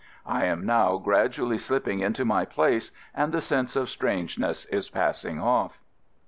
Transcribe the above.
I am now gradually slip ping into my place and the sense of strangeness is passing off.